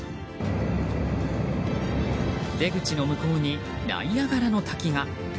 出口の向こうにナイアガラの滝が。